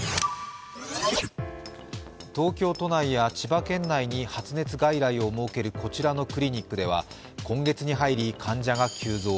東京都内や千葉県内に発熱外来を設けるこちらのクリニックでは、今月に入り患者が急増。